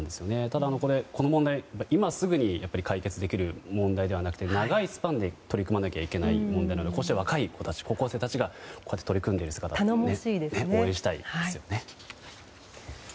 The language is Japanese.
ただ、この問題は今すぐに解決できる問題じゃなくて長いスパンで取り組まなきゃいけない問題なのでこうして若い子たちが取り組んでいる姿は頼もしいですよね。